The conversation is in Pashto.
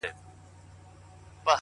هو په همزولو کي له ټولو څخه پاس يمه،